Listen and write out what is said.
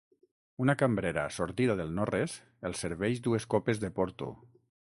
Una cambrera sortida del no-res els serveix dues copes de porto.